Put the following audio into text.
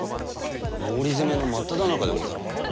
毛利攻めの真っただ中でござろう。